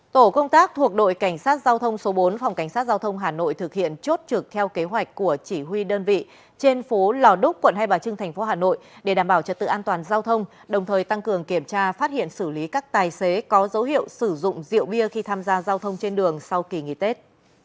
tổ công tác thuộc đội cảnh sát giao thông số bốn phòng cảnh sát giao thông hà nội thực hiện chốt trực theo kế hoạch của chỉ huy đơn vị trên phố lò đúc quận hai bà trưng thành phố hà nội để đảm bảo trật tự an toàn giao thông đồng thời tăng cường kiểm tra phát hiện xử lý các tài xế có dấu hiệu sử dụng rượu bia khi tham gia giao thông trên đường sau kỳ nghỉ tết